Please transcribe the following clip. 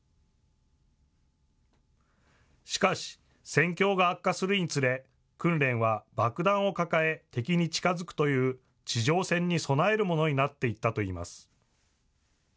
しかし戦況が悪化するにつれ訓練は爆弾を抱え敵に近づくという地上戦に備えるものになっていったといいます。